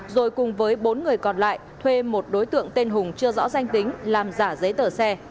rồi cùng với bốn người còn lại thuê một đối tượng tên hùng chưa rõ danh tính làm giả giấy tờ xe